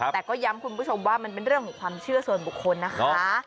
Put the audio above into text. แต่ก็ย้ำคุณผู้ชมว่ามันเป็นเรื่องของความเชื่อส่วนบุคคลนะคะ